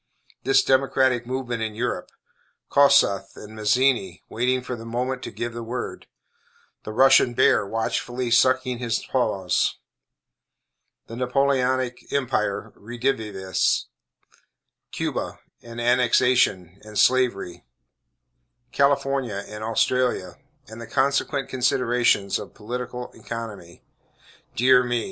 This democratic movement in Europe; Kossuth and Mazzini waiting for the moment to give the word; the Russian bear watchfully sucking his paws; the Napoleonic empire redivivus; Cuba, and annexation, and Slavery; California and Australia, and the consequent considerations of political economy; dear me!